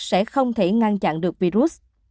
sẽ không thể ngăn chặn được virus